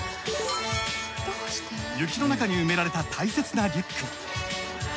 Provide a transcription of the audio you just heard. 雪の中に埋められた大切なリュック。